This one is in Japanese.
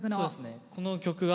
この曲の。